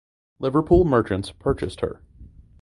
Liverpool merchants purchased her.